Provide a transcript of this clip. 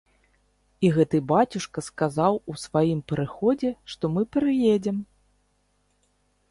І гэты бацюшка сказаў у сваім прыходзе, што мы прыедзем.